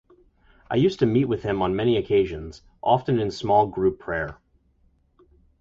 I used to meet with him on many occasions, often in small group prayer.